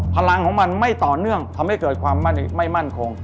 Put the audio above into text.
พลังของมันไม่ต่อเนื่องทำให้เกิดความไม่มั่นคง